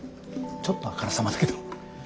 ちょっとあからさまだけど。